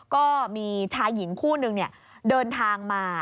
ก็มีชายหญิงคู่นึงเดินทางมา